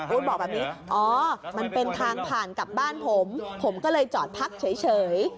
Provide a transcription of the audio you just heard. บอกแบบนี้อ๋อมันเป็นทางผ่านกับบ้านผมผมก็เลยจอดพักเฉย